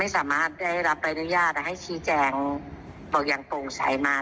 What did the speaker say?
นะคะทำไมถึงที่ฉันถึงไม่สามารถได้รับอนุญาตให้ชี้แจงบอกอย่างปกใสมา